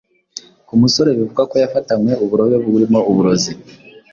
ku musore bivugwa ko yafatanywe uburobe burimo uburozi